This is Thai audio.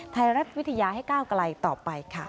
ไทยรัฐวิทยาให้ก้าวไกลต่อไปค่ะ